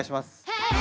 はい！